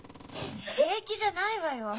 平気じゃないわよ！